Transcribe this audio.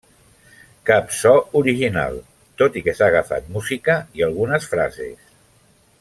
Cap so original, tot i que s’ha agafat música i algunes frases.